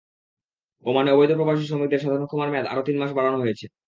ওমানে অবৈধ প্রবাসী শ্রমিকদের সাধারণ ক্ষমার মেয়াদ আরও তিন মাস বাড়ানো হয়েছে।